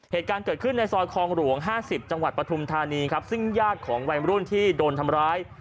เหตุการณ์เกิดขึ้นในซอยคลองหลวง๕๐จังหวัดปฐุมธานีครับซึ่งญาติของวัยมรุ่นที่โดนทำร้าย